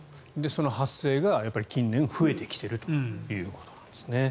その発生が近年増えてきているということですね。